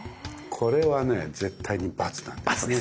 これはね絶対にバツなんですね。